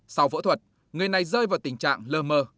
sau phẫu thuật người này rơi vào tình trạng lờ mờ